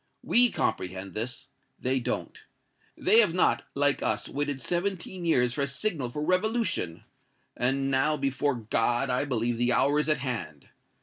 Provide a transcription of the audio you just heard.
We comprehend this they don't. They have not, like us, waited seventeen years for a signal for revolution; and now, before God, I believe the hour is at hand!